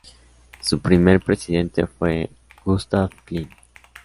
Su primer presidente fue Gustav Klimt.